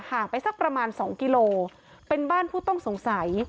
ไปสักประมาณสองกิโลเป็นบ้านผู้ต้องสงสัย